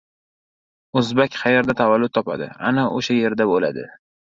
O‘zbak qayerda tavallud topadi — ana o‘sha yerda o‘ladi!